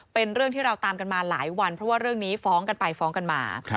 เป็นเรื่องที่เราตามกันมาหลายวันเพราะว่าเรื่องนี้ฟ้องกันไปฟ้องกันมา